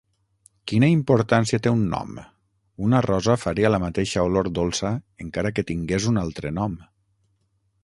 Quina importància té un nom? Una rosa faria la mateixa olor dolça encara que tingués un altre nom.